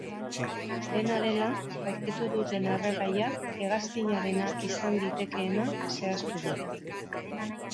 Dena dela, aurkitu duten erregaia hegazkinarena izan litekeena zehaztu du.